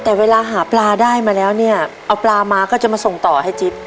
แต่เวลาหาปลาได้มาแล้วเนี่ยเอาปลามาก็จะมาส่งต่อให้จิ๊บ